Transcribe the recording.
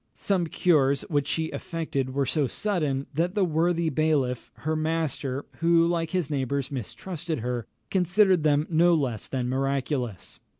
Some cures which she effected were so sudden, that the worthy bailiff, her master, who, like his neighbours, mistrusted her, considered them no less than miraculous.